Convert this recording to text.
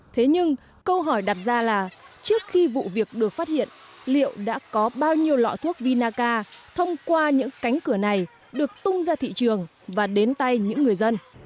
thế nhưng câu hỏi đặt ra là trước khi vụ việc được phát hiện liệu đã có bao nhiêu lọ thuốc vinaca thông qua những cánh cửa này được tung ra thị trường và đến tay những người dân